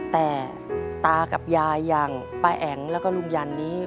แต่ตากับยายอย่างป้าแอ๋งแล้วก็ลุงยันนี้